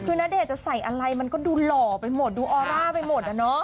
คือณเดชน์จะใส่อะไรมันก็ดูหล่อไปหมดดูออร่าไปหมดอะเนาะ